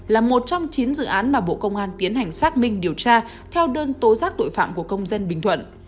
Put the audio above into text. là một trong chín dự án mà bộ công an tiến hành xác minh điều tra theo đơn tố giác tội phạm của công dân bình thuận